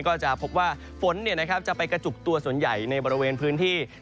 ก็จะพบว่าฝนจะไปกระจุกตัวส่วนใหญ่ในบริเวณพื้นที่